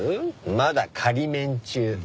まだ仮免中。